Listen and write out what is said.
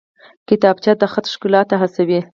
کتابچه د خط ښکلا ته هڅوي